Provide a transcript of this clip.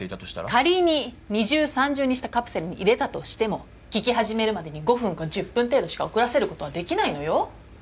仮に二重三重にしたカプセルに入れたとしても効き始めるまでに５分か１０分程度しか遅らせることはできないのよ。